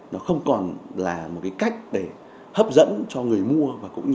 nó không còn là một cái cách để hấp dẫn cho người mua